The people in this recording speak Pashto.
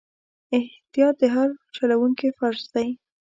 احتیاط د هر چلوونکي فرض دی.